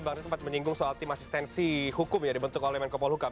bang riz sempat menyinggung soal tim asistensi hukum yang dibentuk oleh menko polhukam